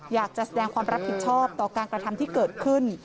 อยากจะแสดงความรับผิดชอบต่อการกระทำที่เกิดขึ้น